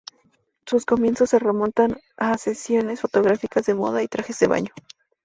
Sus comienzos se remontan a sesiones fotográficas de moda y trajes de baño.